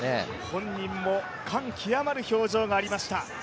本人も感極まる表情がありました。